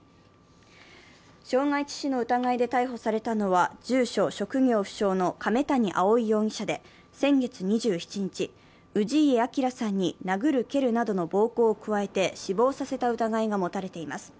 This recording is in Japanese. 傷害致死の疑いで逮捕されたのは住所・職業不詳の亀谷蒼容疑者で、先月２７日、氏家彰さんに殴る蹴るなどの暴行を加えて死亡させた疑いが持たれています。